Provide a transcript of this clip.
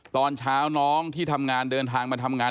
ตอนเช้าน้องที่ทำงานเดินทางมาทำงาน